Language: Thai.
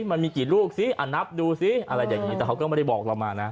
มันมีกี่ลูกสินับดูซิอะไรอย่างนี้แต่เขาก็ไม่ได้บอกเรามานะ